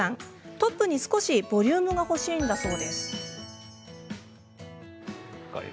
トップに少しボリュームが欲しいんだそう。